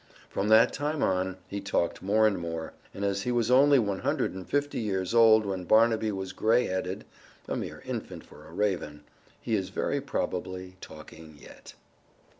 From that time on he talked more and more, and as he was only one hundred and fifty years old when Barnaby was gray headed (a mere infant for a raven) he is very probably talking yet.